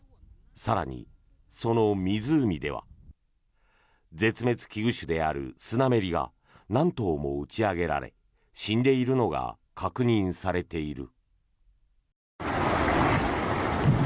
更に、その湖では絶滅危惧種でありスナメリが何頭も打ち上げられ死んでいるのが確認されている。